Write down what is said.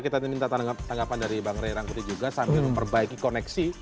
kita minta tanggapan dari bang ray rangkuti juga sambil memperbaiki koneksi